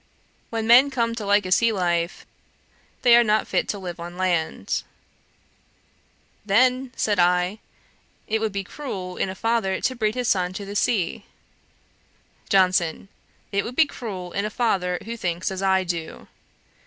When men come to like a sea life, they are not fit to live on land.' 'Then (said I) it would be cruel in a father to breed his son to the sea.' JOHNSON. 'It would be cruel in a father who thinks as I do.